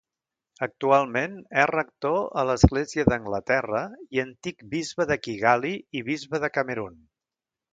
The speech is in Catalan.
Actualment és rector a l'Església d'Anglaterra i antic bisbe de Kigali i Bisbe de Camerun.